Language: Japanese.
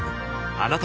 あなたも